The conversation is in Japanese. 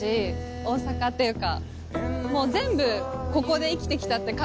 大阪っていうか。